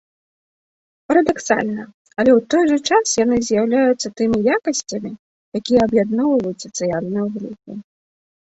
Парадаксальна, але ў той жа час яны з'яўляюцца тымі якасцямі, якія аб'ядноўваюць сацыяльную групу.